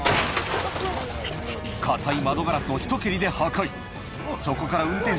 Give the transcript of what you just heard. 硬い窓ガラスを一息で破壊。